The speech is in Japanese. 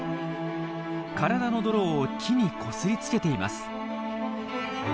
体の泥を木にこすりつけています。